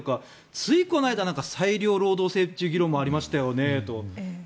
ついこの間なんか裁量労働制という議論もありましたよねと。